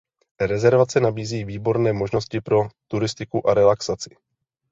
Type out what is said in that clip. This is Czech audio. Rezervace nabízí výborné možnosti pro turistiku a relaxaci.